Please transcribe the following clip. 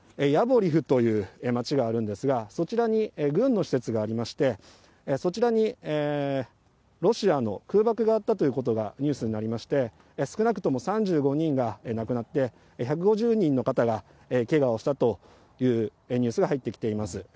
ヤボリフという町があるんですが、そちらに軍の施設がありまして、そちらにロシアの空爆があったということがニュースになりまして、少なくとも３５人が亡くなって、１５０人の方がけがをしたというニュースが入ってきています。